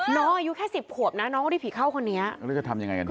น้องอายุแค่สิบขวบน่ะน้องที่เพียงเข้าคนนี้นี่จะทำยังไงกัน